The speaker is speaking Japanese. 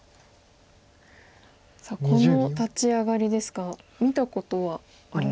さあこの立ち上がりですが見たことはありますか？